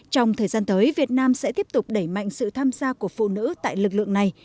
trong thời gian tới việt nam sẽ tiếp tục đẩy mạnh sự tham gia của phụ nữ tại lực lượng này